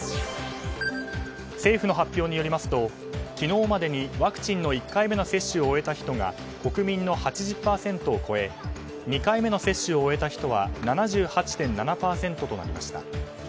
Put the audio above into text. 政府の発表によりますと昨日までにワクチンの１回目の接種を終えた人が国民の８０％を超え２回目の接種を終えた人は７８．７％となりました。